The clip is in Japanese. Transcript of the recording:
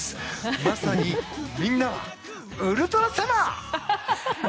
まさにみんなはウルトラサマー！